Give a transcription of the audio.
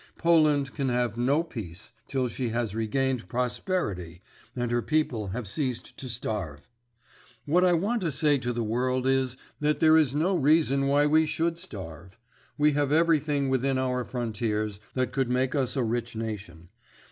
Poland can have no peace till she has regained prosperity and her people have ceased to starve. What I want to say to the world is that there is no reason why we should starve; we have everything within our frontiers that could make us a rich nation.